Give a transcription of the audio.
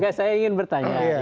oke saya ingin bertanya